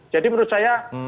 jadi menurut saya